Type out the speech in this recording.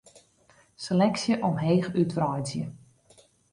Seleksje omheech útwreidzje.